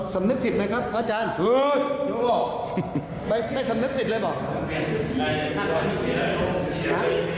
สำนึกผิดไหมครับพระอาจารย์ไม่สำนึกผิดเลยบอก